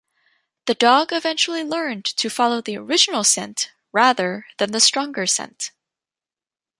The dog eventually learned to follow the original scent rather than the stronger scent.